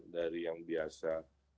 dari yang biasa